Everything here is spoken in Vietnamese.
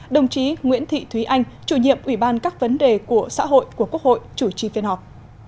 đồng chí nguyễn thị thúy anh chủ nhiệm ủy ban các vấn đề của xã hội của quốc hội chủ trì phiên họp